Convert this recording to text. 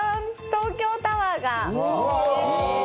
東京タワーが！